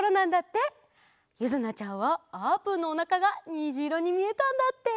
ゆずなちゃんはあーぷんのおなかがにじいろにみえたんだって。